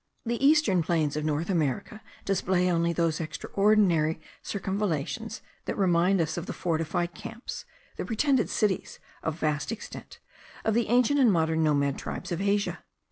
The eastern plains of North America display only those extraordinary circumvallations that remind us of the fortified camps (the pretended cities of vast extent) of the ancient and modern nomad tribes of Asia.